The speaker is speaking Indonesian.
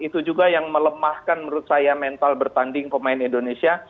itu juga yang melemahkan menurut saya mental bertanding pemain indonesia